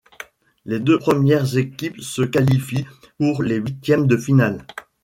Les deux premières équipes se qualifient pour les Huitièmes de finale.